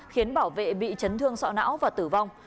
khiến bảo vệ bị chấn thương sọ não và tử vong